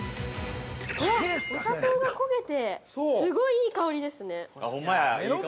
◆お砂糖が焦げて、すごいいい香りですね。